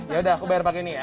ya udah aku bayar pakai ini ya